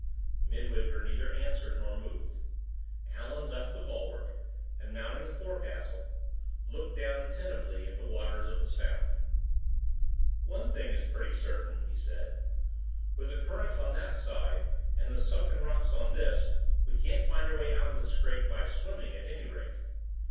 Midwinter neither answered nor moved. Allan left the bulwark, and, mounting the forecastle, looked down attentively at the waters of the Sound. "One thing is pretty certain," he said. "With the current on that side, and the sunken rocks on this, we can't find our way out of the scrape by swimming, at any rate.